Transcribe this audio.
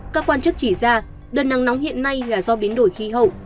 các quan chức chỉ ra đợt nắng nóng hiện nay là do biến đổi khí hậu